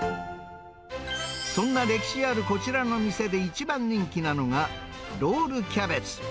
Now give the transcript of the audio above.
そんな歴史あるこちらの店で一番人気なのがロールキャベツ。